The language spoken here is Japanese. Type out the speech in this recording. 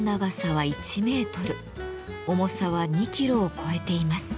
重さは２キロを超えています。